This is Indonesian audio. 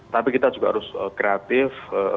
tapi kita juga harus kreatif